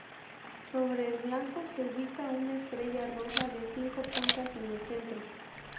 Sobre el blanco se ubica una estrella roja de cinco puntas en el centro.